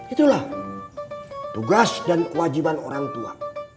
itulah tugas dan kewajiban orang tua